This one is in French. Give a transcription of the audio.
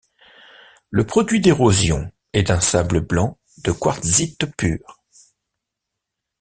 Le produit d'érosion est un sable blanc de quartzite pure.